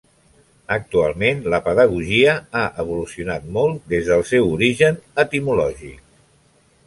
Actualment, la Pedagogia ha evolucionat molt des del seu origen etimològic.